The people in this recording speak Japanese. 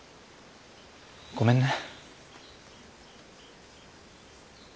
ごめんね。